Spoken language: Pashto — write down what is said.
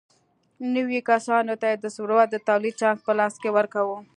نویو کسانو ته یې د ثروت د تولید چانس په لاس ورکاوه.